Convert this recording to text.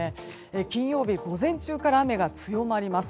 金曜日、午前中から雨が強まります。